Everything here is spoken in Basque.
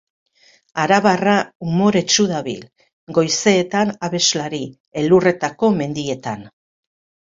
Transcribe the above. Arabarra umoretsu dabil, goizeetan abeslari, elurtutako mendietan.